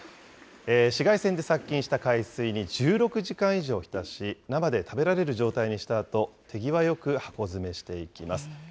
紫外線で殺菌した海水に１６時間以上ひたし、生で食べられる状態にしたあと、手際よく箱詰めしていきます。